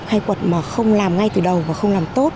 khai quật mà không làm ngay từ đầu và không làm tốt